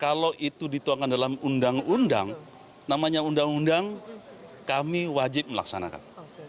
kalau itu dituangkan dalam undang undang namanya undang undang kami wajib melaksanakan